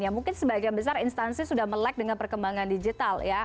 ya mungkin sebagian besar instansi sudah melek dengan perkembangan digital ya